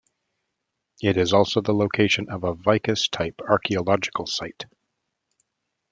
It is also the location of a vicus type archaeological site.